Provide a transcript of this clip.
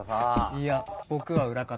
いや僕は裏方。